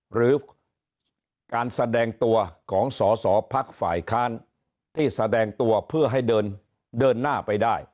หรือการแสดงตัวของสอสอพักฝ่ายค้านที่แสดงตัวเพื่อให้เดินหน้าไปได้